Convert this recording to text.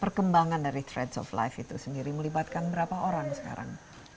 perkembangan dari trade of life itu sendiri melibatkan berapa orang sekarang